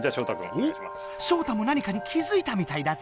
おっショウタも何かに気づいたみたいだぞ！